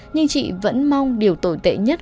nhưng chị vẫn mong điều tồi tệ nhất